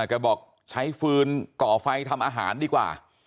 แกบอกใช้ฟืนก่อไฟทำอาหารดีกว่า